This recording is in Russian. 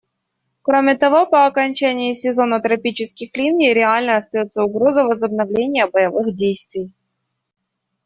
Кроме того, по окончании сезона тропических ливней реальной остается угроза возобновления боевых действий.